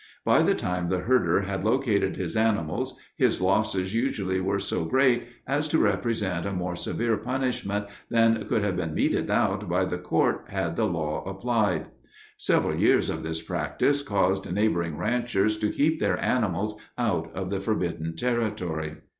By the time the herder had located his animals, his losses usually were so great as to represent a more severe punishment than could have been meted out by the court had the law applied. Several years of this practice caused neighboring ranchers to keep their animals out of the forbidden territory.